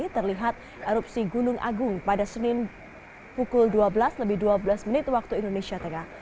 terlihat erupsi gunung agung pada senin pukul dua belas lebih dua belas menit waktu indonesia tengah